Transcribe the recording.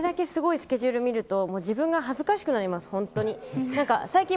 これだけすごいスケジュール見ると自分が恥ずかしくなります。